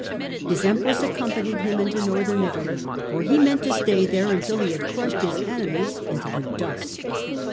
His Empress accompanied him into Northern Italy, for he meant to stay there until he had crushed his enemies into the dust.